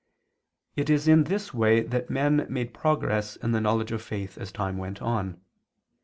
It is in this way that men made progress in the knowledge of faith as time went on.